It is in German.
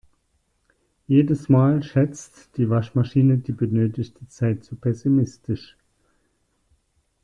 Jedes Mal schätzt die Waschmaschine die benötigte Zeit zu pessimistisch.